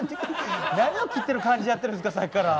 何を切ってる感じでやってるんですかさっきから。